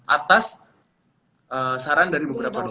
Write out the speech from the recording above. atas saran dari beberapa dokter